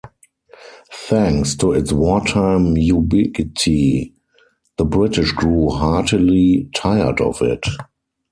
Thanks to its wartime ubiquity, the British grew heartily tired of it.